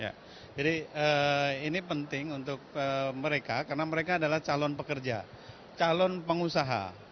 ya jadi ini penting untuk mereka karena mereka adalah calon pekerja calon pengusaha